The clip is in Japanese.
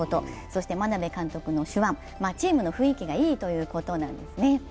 そして眞鍋監督の手腕、チームの雰囲気がいいということなんですね。